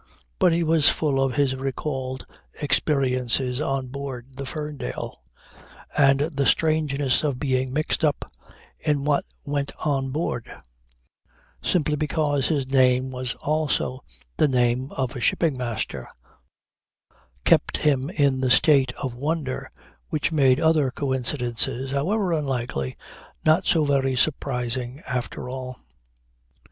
But he was full of his recalled experiences on board the Ferndale, and the strangeness of being mixed up in what went on aboard, simply because his name was also the name of a shipping master, kept him in a state of wonder which made other coincidences, however unlikely, not so very surprising after all.